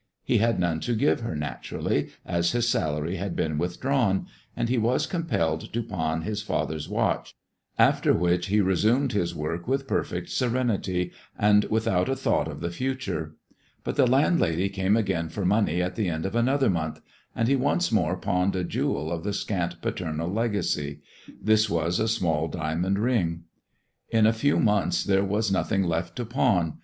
He had none to give her, naturally, as his salary had been withdrawn; and he was compelled to pawn his father's watch, after which he resumed his work with perfect serenity and without a thought of the future. But the landlady came again for money at the end of another month, and he once more pawned a jewel of the scant paternal legacy; this was a small diamond ring. In a few months there was nothing left to pawn.